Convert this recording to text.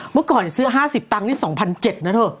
เมื่อก่อนซื้อ๕๐ตังค์นี่๒๗๐๐นะเธอ